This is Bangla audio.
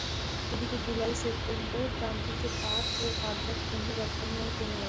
এদিকে জুলাই সেপ্টেম্বর প্রান্তিকে পাট ও পাটজাত পণ্যের রপ্তানি আয় কমে গেছে।